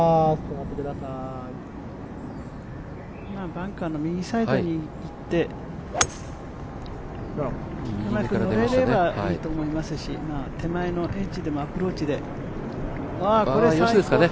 バンカーの右サイドにいってうまくのれればいいと思いますし手前のエッジでのアプローチでこれはいいですよ。